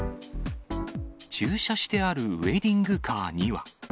駐車してあるウエディングカーには。